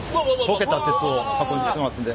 溶けた鉄を運んできますんで。